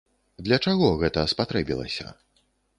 Для чаго гэта спатрэбілася?